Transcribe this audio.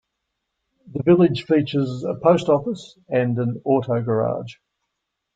The village features a post office, and an auto garage.